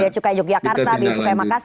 di cukai yogyakarta di cukai makassar